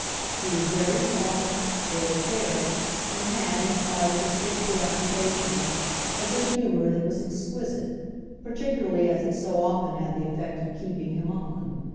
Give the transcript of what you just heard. He was very tall, very fair, and had, in spite of his thick preoccupations, a good humour that was exquisite, particularly as it so often had the effect of keeping him on.